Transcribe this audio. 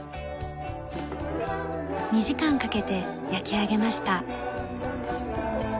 ２時間かけて焼き上げました。